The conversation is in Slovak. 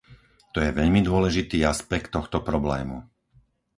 To je veľmi dôležitý aspekt tohto problému.